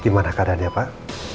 gimana keadaan ya pak